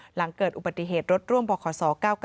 หลังเกิดอุบัติเหตุรถร่วมบขศ๙๙